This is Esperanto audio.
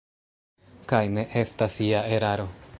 Kaj ne estas ia eraro.